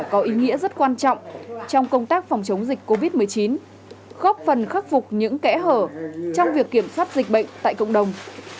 có ý nghĩa rất quan trọng trong công tác phòng chống dịch covid một mươi chín góp phần khắc phục những kẽ hở trong việc kiểm soát dịch bệnh tại cộng đồng